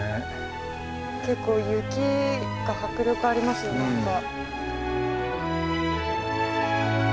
結構雪が迫力ありますよ何か。